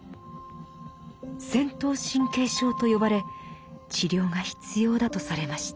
「戦闘神経症」と呼ばれ治療が必要だとされました。